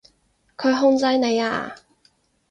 佢控制你呀？